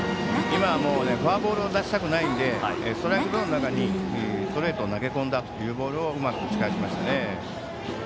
今はフォアボールを出したくないのでストライクゾーンの中にストレートを投げ込んだボールをうまく打ち返しましたね。